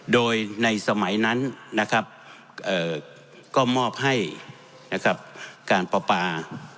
โดยในสมัยนั้นก็มอบให้การประปา